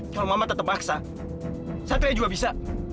kalau mama tetap aksa satria juga bisa